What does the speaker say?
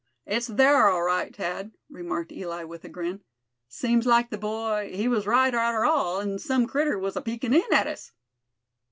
"It's thar, all right, Thad," remarked Eli, with a grin. "Seems like the boy, he was right arter all, an' sum critter was a peekin' in at us."